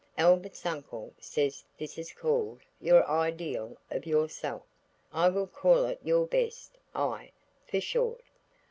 Albert's uncle says this is called your ideal of yourself. I will call it your best I, for short.